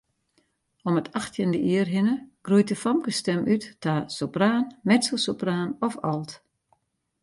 Om it achttjinde jier hinne groeit de famkesstim út ta sopraan, mezzosopraan of alt.